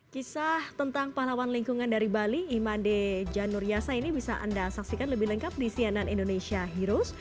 kisah tentang pahlawan lingkungan dari bali imande janur yasa ini bisa anda saksikan lebih lengkap di cnn indonesia heroes